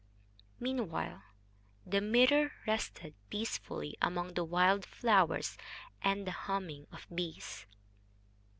Meanwhile the mirror rested peacefully among the wild flowers and the humming of bees.